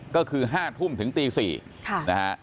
ก็คือ๕ทุ่มถึงตี๔นะฮะ